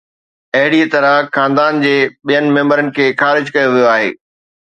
اهڙيء طرح خاندان جي ٻين ميمبرن کي خارج ڪيو ويو آهي.